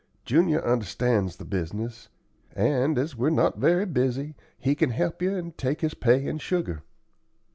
Junior understands the business; and, as we're not very busy, he can help you and take his pay in sugar."